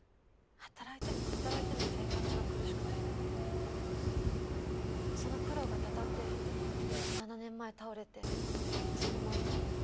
働いても働いても生活が苦しくてその苦労がたたって７年前倒れてそのまま。